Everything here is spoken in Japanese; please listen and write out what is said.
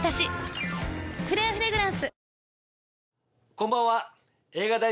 こんばんは。